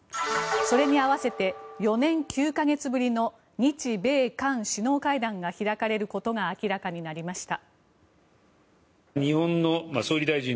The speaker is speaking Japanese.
それに合わせて４年９か月ぶりの日米韓首脳会談が開かれることが明らかになりました。